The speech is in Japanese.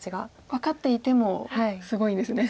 分かっていてもすごいんですね。